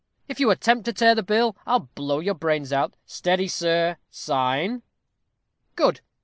if you attempt to tear the bill, I'll blow your brains out. Steady, sir, sign. Good!"